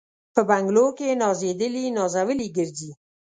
په بنګلو کي نازېدلي نازولي ګرځي